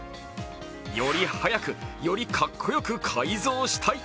より速く、よりかっこよく改造したい。